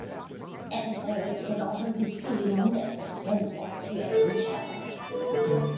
Episodes can also be seen on Netflix and the Fox Reality Channel.